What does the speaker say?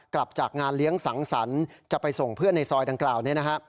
กลับจากงานเลี้ยงสังสรรค์จะไปส่งเพื่อนในซอยดังกล่าวนี้นะฮะ